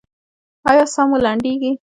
ایا ساه مو لنډیږي؟